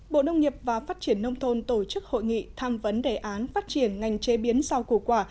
bộ nông nghiệp và phát triển nông thôn tổ chức hội nghị tham vấn đề án phát triển ngành chế biến rau củ quả